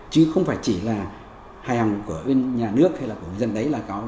chứ không phải chỉ là hài hòa của nhà nước hay là của dân đấy là có